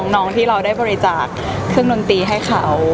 น้องที่เราได้บริจาคเครื่องดนตรีให้เขา